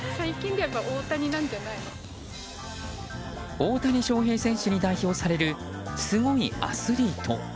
大谷翔平選手に代表されるすごいアスリート。